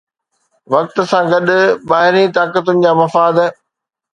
وقت سان گڏ ٻاهرين طاقتن جا مفاد